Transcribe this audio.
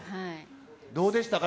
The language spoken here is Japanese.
どうでしたか？